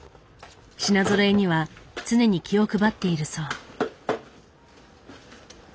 品ぞろえには常に気を配っているそう。